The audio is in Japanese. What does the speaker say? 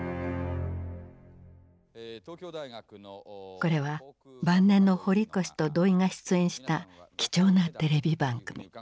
これは晩年の堀越と土井が出演した貴重なテレビ番組。